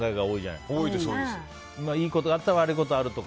いいことがあったら悪いことがあるとか。